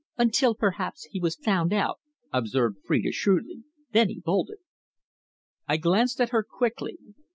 "Until, perhaps, he was found out," observed Phrida shrewdly. "Then he bolted." I glanced at her quickly.